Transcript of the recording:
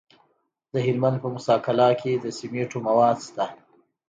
د هلمند په موسی قلعه کې د سمنټو مواد شته.